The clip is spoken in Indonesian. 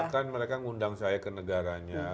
bahkan mereka ngundang saya ke negaranya